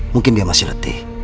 mungkin dia masih letih